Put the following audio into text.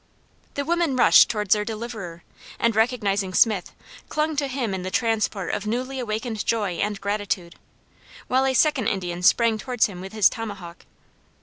The women rushed towards their deliverer, and recognizing Smith, clung to him in the transport of newly awakened joy and gratitude; while a second Indian sprang towards him with his tomahawk.